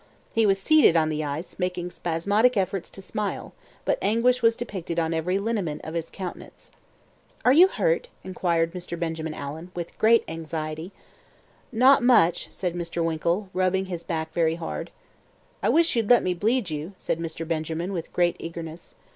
He was seated on the ice making spasmodic efforts to smile; but anguish was depicted on every lineament of his countenance. "Are you hurt?" inquired Mr. Benjamin Allen, with great anxiety. "Not much," said Mr. Winkle, rubbing his back very hard. "I wish you'd let me bleed you," said Mr. Benjamin, with great eagerness.